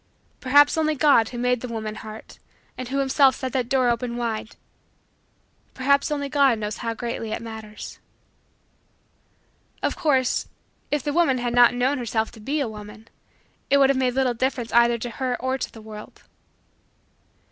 Perhaps only God who made the woman heart and who Himself set that door open wide perhaps only God knows how greatly it matters. Of course, if the woman had not known herself to be a woman, it would have made little difference either to her or to the world.